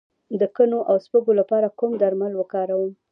د کنو او سپږو لپاره کوم درمل وکاروم؟